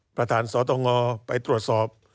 ประธานสตงไปตรวจสอบ